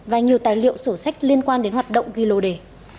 và nhiều tài liệu sổ sách liên quan đến hoạt động ghi lô đề